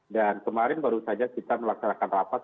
dan kemarin baru saja kita melaksanakan rapat